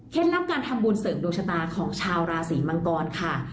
เคล็ดลับการทำบุญเสริมโดชนาของชาวราศรีมังกรค่ะ